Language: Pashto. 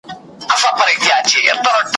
درې ځله چپه اړخ ته لاړي توف کول.